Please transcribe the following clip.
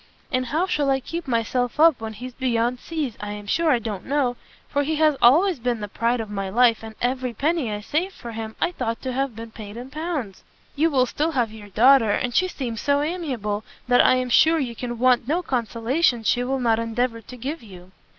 And how I shall keep myself up when he's beyond seas, I am sure I don't know, for he has always been the pride of my life, and every penny I saved for him, I thought to have been paid in pounds." "You will still have your daughter, and she seems so amiable, that I am sure you can want no consolation she will not endeavour to give you."